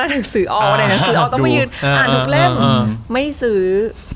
อ่านทุกแรมไม่ซื้อ